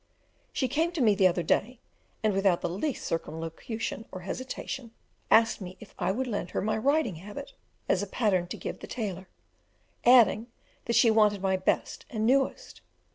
She came to me the other day, and, without the least circumlocution or hesitation, asked me if I would lend her my riding habit as a pattern to give the tailor; adding that she wanted my best and newest.